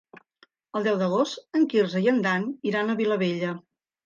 El deu d'agost en Quirze i en Dan iran a Vilabella.